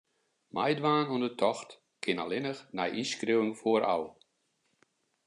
Meidwaan oan 'e tocht kin allinnich nei ynskriuwing foarôf.